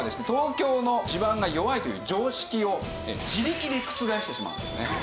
東京の地盤が弱いという常識を自力で覆してしまうんですね。